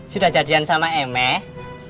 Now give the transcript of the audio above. sudah jadian sama emeh